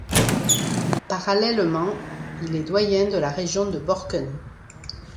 Parallèlement, il est doyen de la région de Borken.